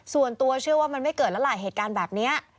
ส่วนตัวเชื่อว่ามันไม่เกิดแล้วล่ะเหตุการณ์แบบนี้